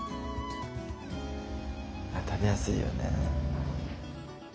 あ食べやすいよね。